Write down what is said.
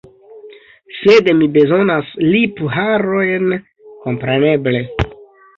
Sed mi bezonas lipharojn, kompreneble.